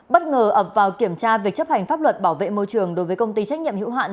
bất ngờ ập vào kiểm tra việc chấp hành pháp luật bảo vệ môi trường đối với công ty trách nhiệm hữu hạn